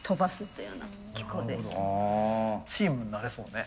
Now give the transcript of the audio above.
チームになれそうね。